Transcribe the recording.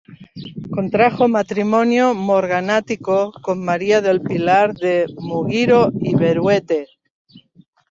Contrajo matrimonio morganático con María del Pilar de Muguiro y Beruete.